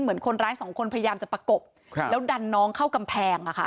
เหมือนคนร้ายสองคนพยายามจะประกบแล้วดันน้องเข้ากำแพงอะค่ะ